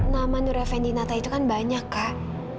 nama nure fendi nata itu kan banyak kak